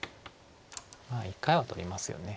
一回は取りますよね。